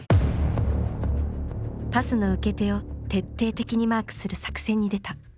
パスの受け手を徹底的にマークする作戦に出た。